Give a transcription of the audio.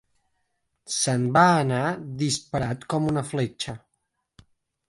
Se'n va anar disparat com una fletxa.